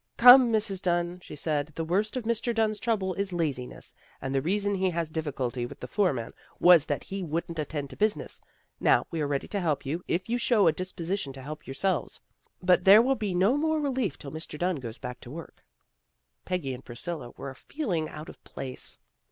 " Come, Mrs. Dunn," she said, " the worst of Mr. Dunn's troubles is laziness, and the reason he had difficulty with the foreman was that he wouldn't attend to business. Now we are ready to help you, if you show a disposi tion to help yourselves, but there will be no more relief till Mr. Dunn goes back to work." Peggy and Priscilla were feeling out of place.